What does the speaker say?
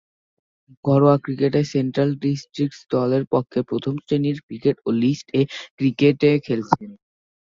ঘরোয়া ক্রিকেটে Central Districts দলের পক্ষে প্রথম-শ্রেণীর ক্রিকেট ও লিস্ট এ ক্রিকেটে খেলছেন।